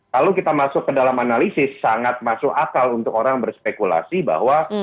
kalau kita masuk ke dalam analisis sangat masuk akal untuk orang berspekulasi bahwa